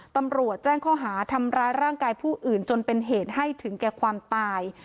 ตำรวจแจ้งข้อหาทำร้ายร่างกายผู้อื่นจนเป็นเหตุให้ถึงแก่ความตาย